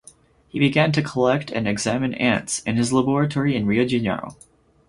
He began to collect and examine ants in his laboratory in Rio de Janeiro.